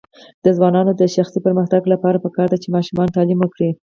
د ځوانانو د شخصي پرمختګ لپاره پکار ده چې ماشومانو تعلیم ورکړي.